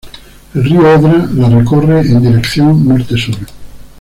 El río Odra la recorre en dirección norte sur.